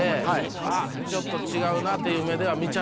あっちょっと違うなという目では見ちゃってたし。